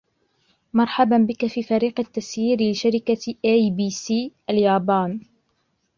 مرحبا بك في فريق التسيير لشركة أي بي سي اليابان.